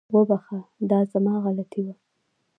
وبخښه، دا زما غلطي وه